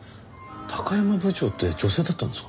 山部長って女性だったんですか。